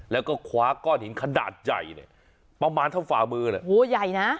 แล้วก็คว้าก้อนหินขนาดใหญ่เนี่ยประมาณเท่าฝ่ามือเนี่ยโอ้โหใหญ่นะ